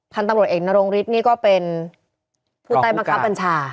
พันธุ์ตำรวจเอกนรงฤทธิ์นี่ก็เป็นผู้ใต้บังคับบัญชา